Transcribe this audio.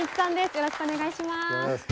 よろしくお願いします。